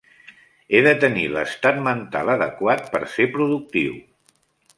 He de tenir l'estat mental adequat per se productiu.